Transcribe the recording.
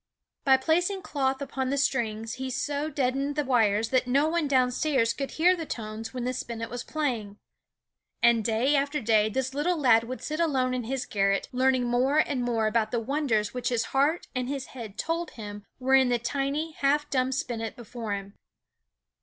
By placing cloth upon the strings he so deadened the wires that no one downstairs could hear the tones when the spinet was played. And day after day this little lad would sit alone in his garret, learning more and more about the wonders which his heart and his head told him were in the tiny half dumb spinet before him.